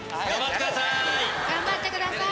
頑張ってください。